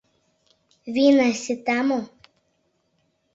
Вийна сита мо?